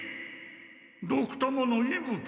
ドクたまのいぶ鬼。